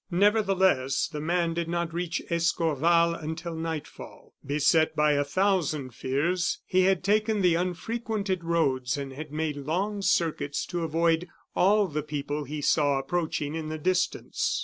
Nevertheless, the man did not reach Escorval until nightfall. Beset by a thousand fears, he had taken the unfrequented roads and had made long circuits to avoid all the people he saw approaching in the distance.